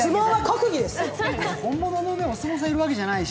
別に本物のお相撲さんがいるわけじゃないし。